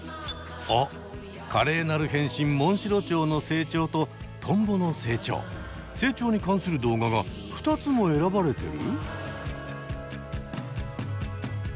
あっ華麗なる変身モンシロチョウの成長とトンボの成長成長に関する動画が２つも選ばれてる！？